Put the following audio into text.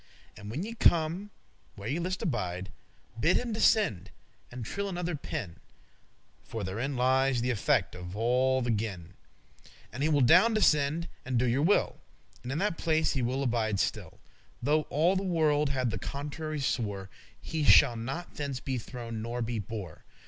And when ye come where you list abide, Bid him descend, and trill another pin (For therein lies th' effect of all the gin*), *contrivance <10> And he will down descend and do your will, And in that place he will abide still; Though all the world had the contrary swore, He shall not thence be throwen nor be bore.